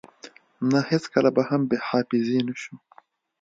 نه هیڅکله به هم بی حافظی نشو